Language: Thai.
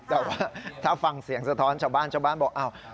แต่ว่าถ้าฟังเสียงสะท้อนชาวบ้านบอก